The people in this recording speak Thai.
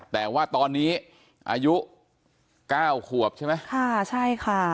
แต่ว่าตอนนี้อายุเก้าขวบใช่ไหมค่ะใช่ค่ะ